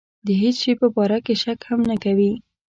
د هېڅ شي په باره کې شک هم نه کوي.